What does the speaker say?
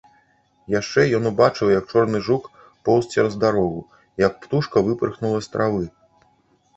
Яшчэ ён убачыў, як чорны жук поўз цераз дарогу, як птушка выпырхнула з травы.